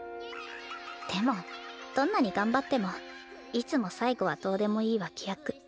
でもどんなに頑張ってもいつも最後はどうでもいい脇役。